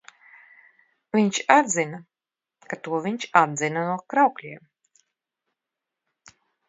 Viņš atzina, ka to viņš atdzina no Kraukļiem.